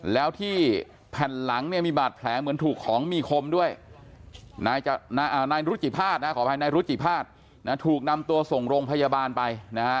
แล้วที่แผ่นหลังมีบาดแผลเหมือนถูกของมีคมด้วยนายรุจิภาษณ์ถูกนำตัวส่งโรงพยาบาลไป